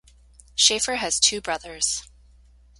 Schafer has two brothers.